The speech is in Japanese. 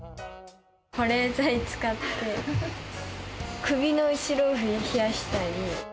保冷剤使って、首の後ろを冷やしたり。